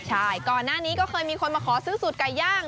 ใช่ก่อนหน้านี้ก็เคยมีคนมาขอซื้อสูตรไก่ย่าง